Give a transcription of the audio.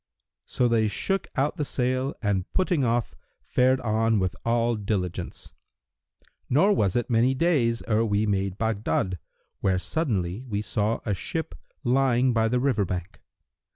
So they shook out the sail and putting off, fared on with all diligence; nor was it many days ere we made Baghdad, where suddenly we saw a ship lying by the river bank.